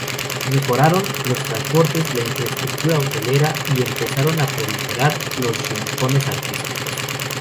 Mejoraron: los transportes, la infraestructura hotelera y empezaron a proliferar los "rincones artísticos".